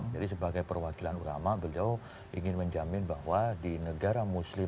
jadi sebagai perwakilan ulama beliau ingin menjamin bahwa di negara muslim